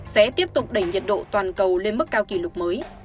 sẽ tiếp tục đẩy nhiệt độ toàn cầu lên mức cao kỷ lục mới